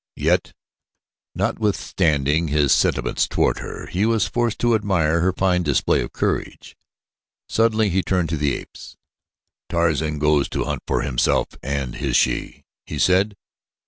Yet, notwithstanding his sentiments toward her, he was forced to admire her fine display of courage. Suddenly he turned to the apes. "Tarzan goes to hunt for himself and his she," he said.